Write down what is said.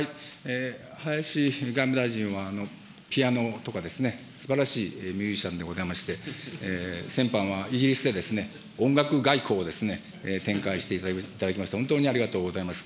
林外務大臣はピアノとかすばらしいミュージシャンでございまして、先般はイギリスで音楽外交を展開していただきまして、本当にありがとうございます。